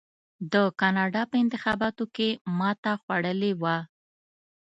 د کاناډا په انتخاباتو کې ماته خوړلې وه.